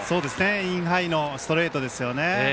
インハイのストレートですよね。